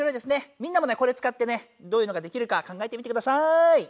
みんなもねこれ使ってねどういうのができるかかんがえてみてください。